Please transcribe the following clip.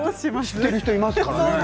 知ってる人、いますからね。